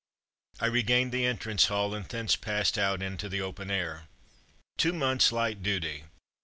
I regained the entrance hall and thence passed out into the open air. "Two months' light duty!"